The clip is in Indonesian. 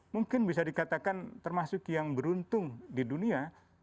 mungkin bisa dikatakan termasuk yang beruntung di dunia